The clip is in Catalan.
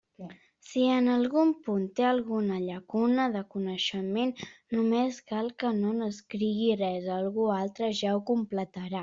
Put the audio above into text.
Si en algun punt té alguna llacuna de coneixement, només cal que no n'escrigui res: algú altre ja ho completarà.